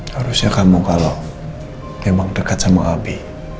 harusnya kamu kalau memang dekat sama api